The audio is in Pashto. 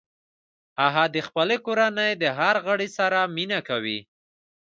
هغه د خپلې کورنۍ د هر غړي سره مینه کوي